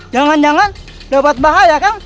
jangan jangan dapat bahaya kan